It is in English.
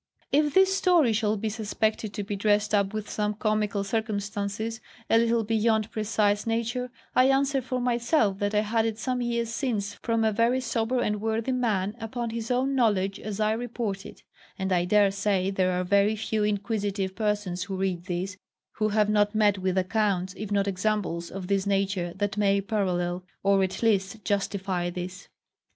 If this story shall be suspected to be dressed up with some comical circumstances, a little beyond precise nature, I answer for myself that I had it some years since from a very sober and worthy man, upon his own knowledge, as I report it; and I dare say there are very few inquisitive persons who read this, who have not met with accounts, if not examples, of this nature, that may parallel, or at least justify this.